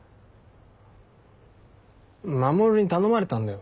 守に頼まれたんだよ。